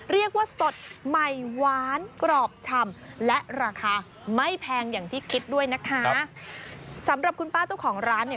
เรียกว่าสดใหม่หวานกรอบชำและราคาไม่แพงอย่างที่คิดด้วยนะคะสำหรับคุณป้าเจ้าของร้านเนี่ย